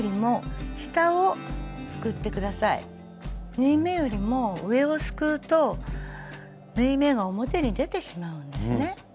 縫い目よりも上をすくうと縫い目が表に出てしまうんですね。